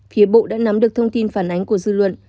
phía bộ đã nắm được thông tin phản ánh của dư luận